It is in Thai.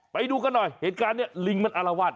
ไปดูกันหน่อยเหตุการณ์นี้ลิงมันอารวาส